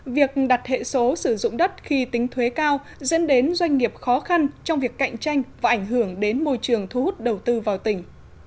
việc đặt hệ số sử dụng đất khi tính thuế cao dẫn đến doanh nghiệp khó khăn trong việc cạnh tranh và ảnh hưởng đến môi trường thu hút đầu tư vào tỉnh